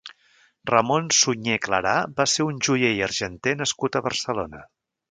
Ramon Sunyer Clarà va ser un joier i argenter nascut a Barcelona.